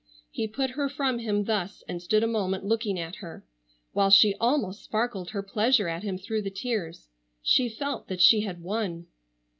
He put her from him thus and stood a moment looking at her, while she almost sparkled her pleasure at him through the tears. She felt that she had won.